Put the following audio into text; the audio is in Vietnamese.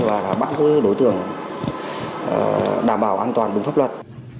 và đã bắt giữ đối tượng đảm bảo an toàn đúng pháp luật